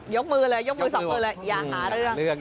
ยกมือเลยยกมือสามมือเลย